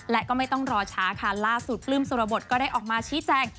และก็ไม่ต้องรอช้าค่ะล่าสุดปลื้มสุรบทก็ได้ออกมาชี้แจง